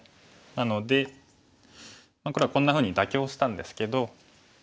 なので黒はこんなふうに妥協したんですけど。